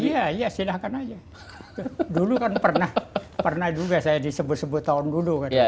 iya iya silahkan aja dulu kan pernah pernah juga saya disebut sebut tahun dulu